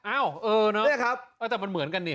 อ้าวเออเนอะแต่มันเหมือนกันดิ